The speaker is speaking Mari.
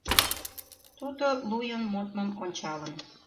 Тудо луйын модмым ончалын